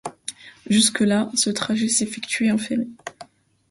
Jusque-là ce trajet s’effectuait en ferry.